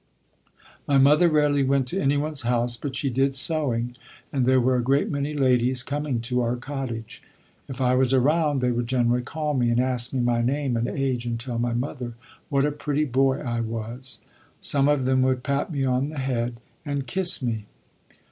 My mother rarely went to anyone's house, but she did sewing, and there were a great many ladies coming to our cottage. If I was around they would generally call me, and ask me my name and age and tell my mother what a pretty boy I was. Some of them would pat me on the head and kiss me.